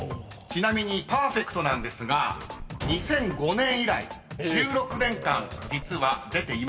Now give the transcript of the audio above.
［ちなみにパーフェクトなんですが２００５年以来１６年間実は出ていません］